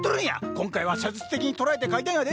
今回は写実的に捉えて描いたんやで！